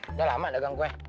sudah lama dagang kue